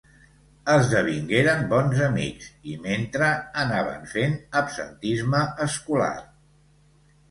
Esdevingueren bons amics i mentre anaven fent absentisme escolar.